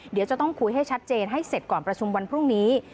เดี๋ยวจะต้องคุยให้ชัดเจนให้เสร็จก่อนประชุมวันพรุ่งนี้